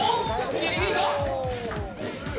ギリギリか？